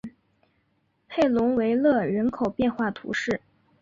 佩龙维勒人口变化图示